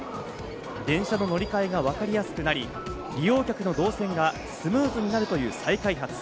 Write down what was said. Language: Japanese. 電車の乗り換えがわかりやすくなり、利用客の動線がスムーズになるという再開発。